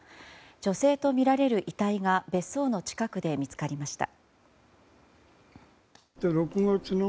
女性とみられる遺体が別荘の近くで見つかりました。